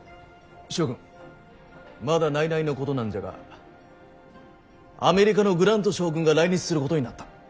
諸君まだ内々のことなんじゃがアメリカのグラント将軍が来日することになった。